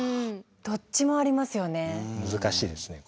どっちもありますよね。